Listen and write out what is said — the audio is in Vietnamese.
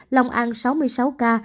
lòng an sáu một mươi sáu ca